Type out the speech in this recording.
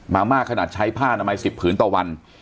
มากขนาดใช้ผ้านามัย๑๐ผืนต่อวัน